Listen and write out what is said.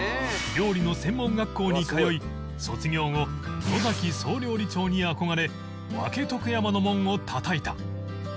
料理の専門学校に通い卒業後野総料理長に憧れ分とく山の門をたたいた